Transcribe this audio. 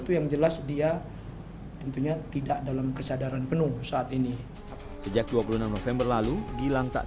terima kasih yang jelas dia tentunya tidak dalam kesadaran penuh saat ini sejak dua puluh enam november lalu gilang tak